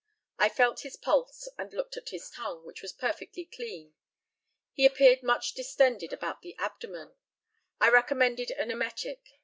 I felt his pulse and looked at his tongue, which was perfectly clean. He appeared much distended about the abdomen. I recommended an emetic.